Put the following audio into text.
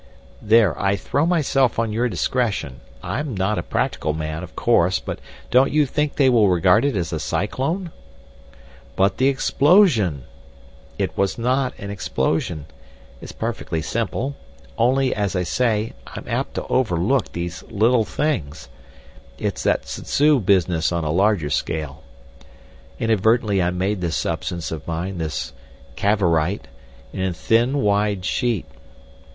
"There, I throw myself on your discretion. I'm not a practical man, of course, but don't you think they will regard it as a cyclone?" "But the explosion—" "It was not an explosion. It's perfectly simple. Only, as I say, I'm apt to overlook these little things. It's that zuzzoo business on a larger scale. Inadvertently I made this substance of mine, this Cavorite, in a thin, wide sheet...."